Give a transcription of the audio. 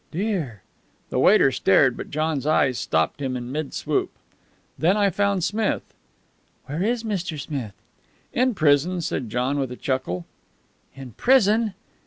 "Dear!" The waiter stared, but John's eyes stopped him in mid swoop. "Then I found Smith " "Where is Mr. Smith?" "In prison," said John with a chuckle. "In prison!"